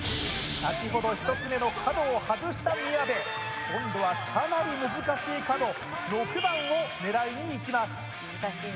先ほど１つ目の角を外した宮部今度はかなり難しい角６番を狙いにいきます